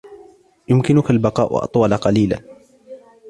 يمكنك البقاء أطول قليلا ؟